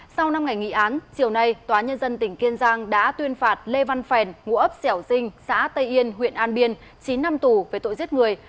sau năm ngày nghị án chiều nay tòa nhân dân tỉnh kiên giang đã tuyên phạt lê văn phèn ngụ ấp xẻo dinh xã tây yên huyện an biên chín năm tù về tội giết người